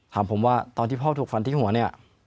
ถามผมว่าตอนที่พ่อถูกฟันที่หัวเนี่ย